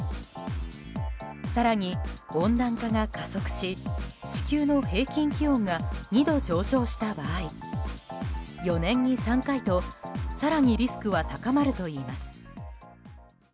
更に温暖化が加速し地球の平均気温が２度上昇した場合４年に３回と更にリスクは高まるといいます。